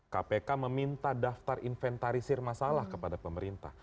kpk meminta daftar inventarisir masalah kepada pemerintah